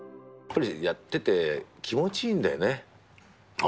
やってて、気持ちいいんだよ